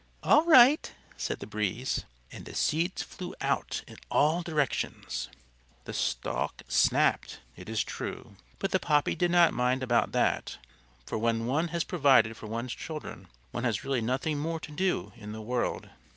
"All right," said the Breeze. And the seeds flew out in all directions. The stalk snapped, it is true; but the Poppy did not mind about that, for when one has provided for one's children, one has really nothing more to do in the world.